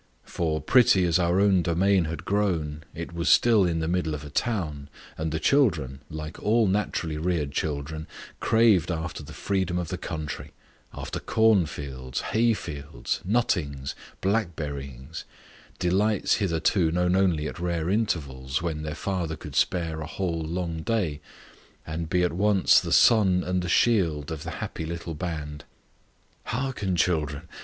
For, pretty as our domain had grown, it was still in the middle of a town, and the children, like all naturally reared children, craved after the freedom of the country after corn fields, hay fields, nuttings, blackberryings delights hitherto known only at rare intervals, when their father could spare a whole long day, and be at once the sun and the shield of the happy little band. "Hearken, children!